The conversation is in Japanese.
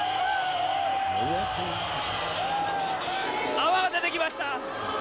泡が出てきました。